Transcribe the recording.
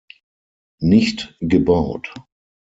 Nicht gebaut.